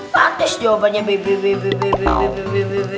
patis jawabannya bebe